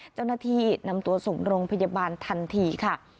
เจ้าหน้าที่นำตัวส่งโรงพยาบาลทันทีค่ะ